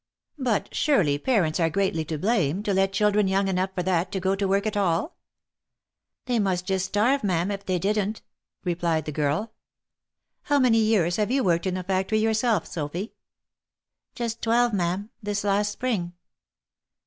" But, surely, parents are greatly to blame, to let children young enough for that, go to work at all ?"" They must just starve, ma'am, if they didn't," replied the girl. " How many years have you worked in the factory yourself, Sophy?" " Just twelve, ma'am, this last spring."